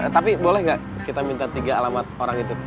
tapi boleh nggak kita minta tiga alamat orang itu